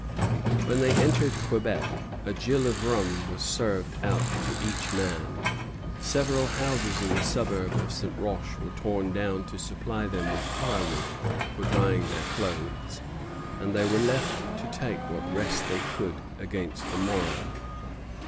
When they entered Quebec a gill of rum was served out to each man; several houses in the suburb of St. Roch were torn down to supply them with firewood for drying their clothes; and they were left to take what rest they could against the morrow.